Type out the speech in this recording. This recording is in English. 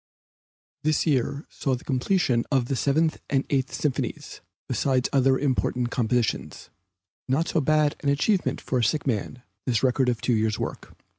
This year saw the completion of the Seventh and Eighth Symphonies besides other important compositions; not so bad an achievement for a sick man, this record of two years' work.